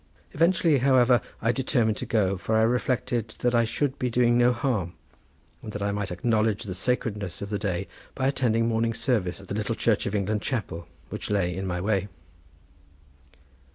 Eventually, however, I determined to go, for I reflected that I should be doing no harm, and that I might acknowledge the sacredness of the day by attending morning service at the little Church of England chapel which lay in my way.